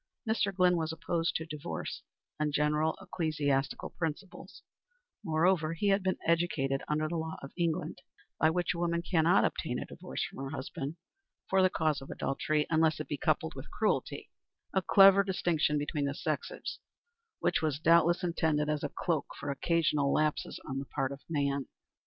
Mr. Glynn was opposed to divorce on general ecclesiastical principles; moreover, he had been educated under the law of England, by which a woman cannot obtain a divorce from her husband for the cause of adultery unless it be coupled with cruelty a clever distinction between the sexes, which was doubtless intended as a cloak for occasional lapses on the part of man.